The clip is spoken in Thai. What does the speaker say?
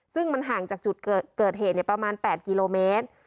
ซึ่งมันห่างจากจุดเกิดเหตุประมาณ๘กิโลเมตร